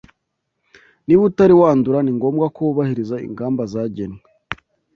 Niba utari wandura ningombwa ko wubahiriza ingamba zagenwe